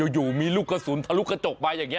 อยู่มีลูกกระสุนทะลุกระจกมาอย่างนี้